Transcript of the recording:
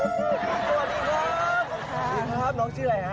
สวัสดีครับน้องชื่ออะไรฮะ